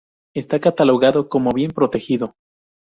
Está catalogado como Bien Protegido.